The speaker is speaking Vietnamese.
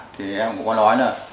thì em cũng có nói là